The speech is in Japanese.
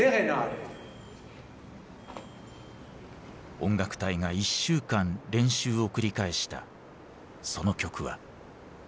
音楽隊が１週間練習を繰り返したその曲は。